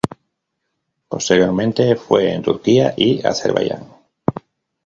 Posteriormente fue en Turquía y Azerbaiyán.